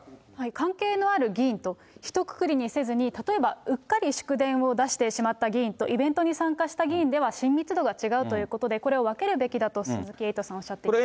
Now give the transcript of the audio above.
関係のある議員と、ひとくくりにせずに、うっかり祝電を出してしまった議員と、イベントに参加した議員では親密度が違うということで、これを分けるべきだと、鈴木エイトさんはおっしゃっています。